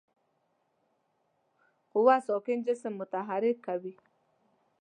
قوه ساکن جسم متحرک کوي.